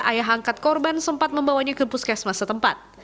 ayah angkat korban sempat membawanya ke puskesmas setempat